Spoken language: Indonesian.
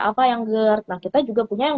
apa yang gerd nah kita juga punya yang